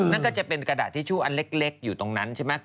นั่นก็จะเป็นกระดาษทิชชู่อันเล็กอยู่ตรงนั้นใช่ไหม